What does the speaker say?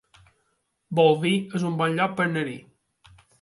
Bolvir es un bon lloc per anar-hi